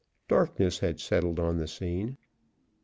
Darkness had settled on the scene.